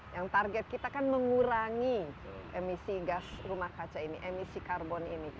yang target kita kan mengurangi emisi gas rumah kaca ini emisi karbon ini